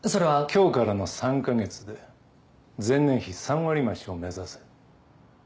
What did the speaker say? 今日からの３カ月で前年比３割増しを目指せ。